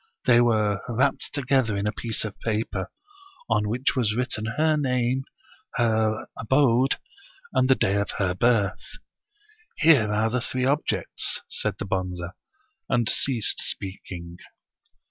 They were wrapped together in a piece of paper, on which was written her name, her abode, and the day of her birth. Here are the three objects 1 '* said the Bonze, and ceased speaking.